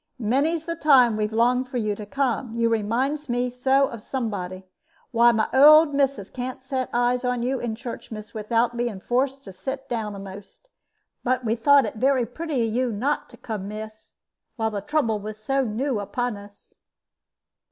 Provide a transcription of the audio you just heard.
Many's the time we've longed for you to come, you reminds us so of somebody. Why, my old missus can't set eyes on you in church, miss, without being forced to sit down a'most. But we thought it very pretty of you not to come, miss, while the trouble was so new upon us."